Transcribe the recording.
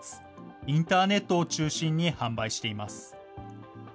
インターネットを中心に販売しています。